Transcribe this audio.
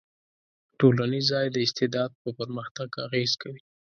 ټولنیز ځای د استعداد په پرمختګ اغېز کوي.